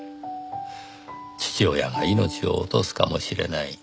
父親が命を落とすかもしれない。